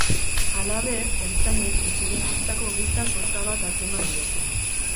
Halaber, ertzainek etxebizitzako giltza sorta bat atzeman diote.